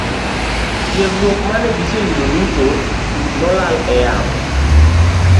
Tiegruok mane giseyudo duto nolal e yamo.